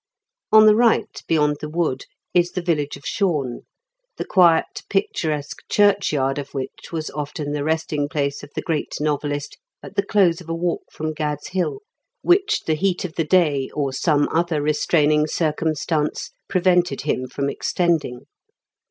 On the right, beyond the wood, is the village of Shorne, the quiet picturesque churchyard of which was often the resting place of the great novelist, at the close of a walk from Gad's Hill which the heat of the day, or some other restraining circumstance, prevented him from extending.